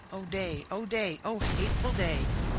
O day! O day! O hateful day!